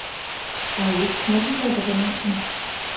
Aici, medicii au intervenit de urgență, însă românul a decedat.